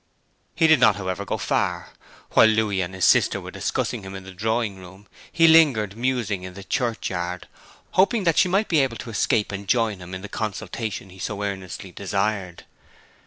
He did not, however, go far. While Louis and his sister were discussing him in the drawing room he lingered musing in the churchyard, hoping that she might be able to escape and join him in the consultation he so earnestly desired.